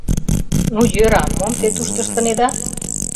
— Ну, йӧра, мом те тушто ыштынеда?